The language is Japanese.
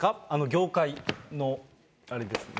業界のあれですが。